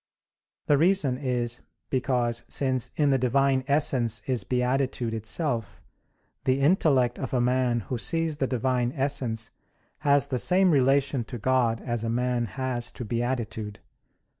The reason is because, since in the Divine Essence is beatitude itself, the intellect of a man who sees the Divine Essence has the same relation to God as a man has to beatitude.